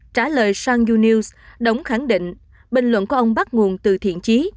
trả lời sangyu news đỗng khẳng định bình luận của ông bắt nguồn từ thiện chí